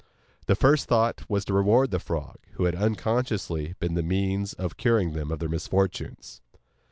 Their first thought was to reward the frog, who had unconsciously been the means of curing them of their misfortunes.